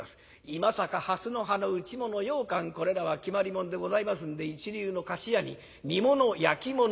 今坂蓮の葉の打ちもの羊羹これらは決まりもんでございますんで一流の菓子屋に煮物焼き物